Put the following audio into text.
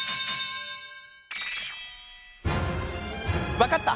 わかった！